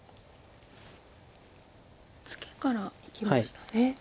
ツケからいきましたね。